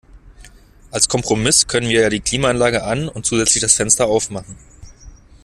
Als Kompromiss können wir ja die Klimaanlage an und zusätzlich das Fenster auf machen.